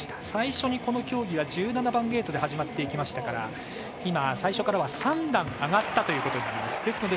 最初にこの競技は１７番ゲートで始まっていきましたから今、最初からは３段上がったということになります。